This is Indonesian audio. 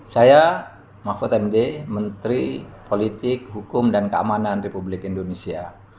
saya mahfud md menteri politik hukum dan keamanan republik indonesia